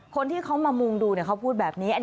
คนที่มามุ่งดูพูดแบบนี้